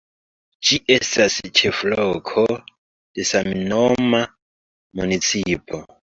Ĝi estas ĉefloko de samnoma municipo.